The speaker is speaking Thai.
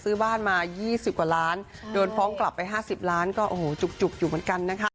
หรือว่าไม่อยากจะต้องไปฟ้องร้อง